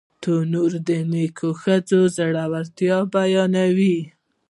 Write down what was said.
تنور د نیکو ښځو زړورتیا بیانوي